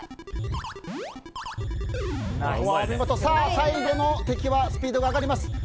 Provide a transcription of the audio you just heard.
最後の敵はスピードが上がります。